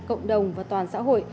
cộng đồng và toàn xã hội